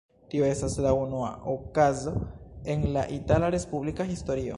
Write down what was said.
Tio estas la unua okazo en la itala respublika historio.